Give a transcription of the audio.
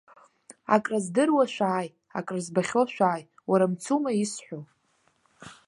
Акрыздыруа шәааи, акрызбахьоу шәааи, уара, мцума исҳәо?